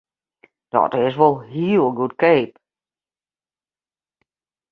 Dat is wol hiel goedkeap!